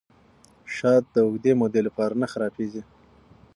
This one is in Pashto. شات د اوږدې مودې لپاره نه خرابیږي.